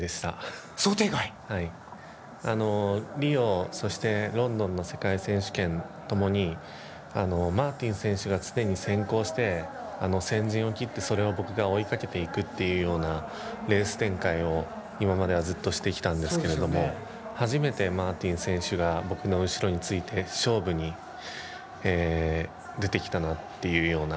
リオ、そしてロンドンの世界選手権ともにマーティン選手が常に先行して、先陣を切ってそれを僕が追いかけていくっていうようなレース展開を今まではずっとしてきたんですけれども、初めてマーティン選手が僕の後ろについて、勝負に出てきたなというような。